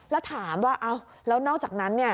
แล้วถามว่าแล้วนอกจากนั้น